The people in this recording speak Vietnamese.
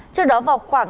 trước đó vào khoảng